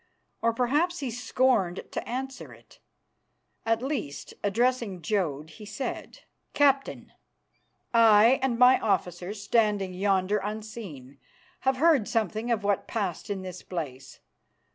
Or perhaps he scorned to answer it. At least, addressing Jodd, he said, "Captain, I and my officers, standing yonder unseen, have heard something of what passed in this place.